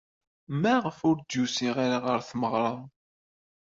Maɣef ur d-yusi ara ɣer tmeɣra?